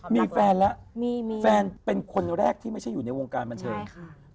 มีแฟนแล้วแฟนเป็นคนแรกที่ไม่ใช่อยู่ในวงการบันเทิงค่ะ